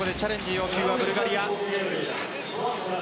要求はブルガリア。